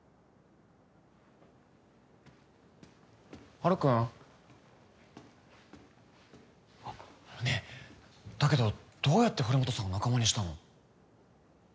ハルくんあっねえだけどどうやって堀本さんを仲間にしたの？